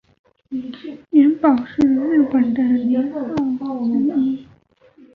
永保是日本的年号之一。